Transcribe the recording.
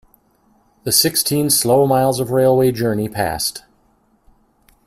The sixteen slow miles of railway journey passed.